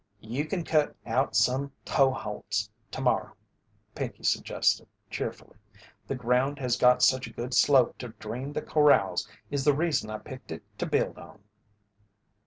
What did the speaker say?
"You can cut out some toe holts to morrow," Pinkey suggested, cheerfully. "The ground has got such a good slope to drain the corrals is the reason I picked it to build on."